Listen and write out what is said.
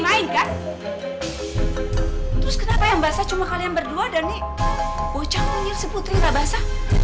mainkan terus kenapa yang basah cuma kalian berdua dan nih boceng boceng putri rabasa